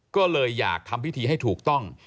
ก็เลยอยากทำพิธีให้ถูกต้อง